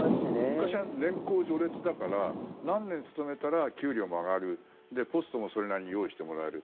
昔は年功序列だから何年勤めたら給料も上がるポストもそれなりに用意してもらえる。